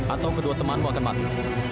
atau kedua temanmu akan mati